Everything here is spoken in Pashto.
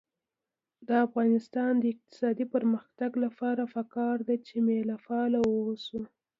د افغانستان د اقتصادي پرمختګ لپاره پکار ده چې مېلمه پال اوسو.